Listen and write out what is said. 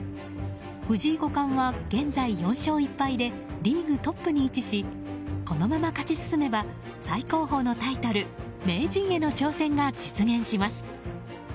藤井五段は現在４勝１敗でリーグトップに位置しこのまま勝ち進めば最高峰のタイトル名人への挑戦が実現します。